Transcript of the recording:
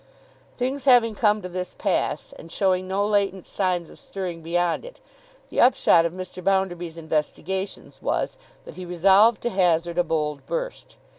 Things having come to this pass, and showing no latent signs of stirring beyond it, the upshot of Mr. Bounderby's investigations was, that he resolved to hazard a bold burst.